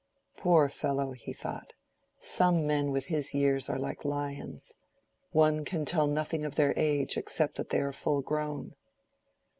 "Poor fellow," he thought, "some men with his years are like lions; one can tell nothing of their age except that they are full grown."